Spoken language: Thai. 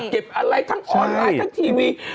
อะไรทั้งออนไลน์ทั้งทีวี